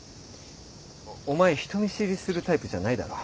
お前人見知りするタイプじゃないだろ。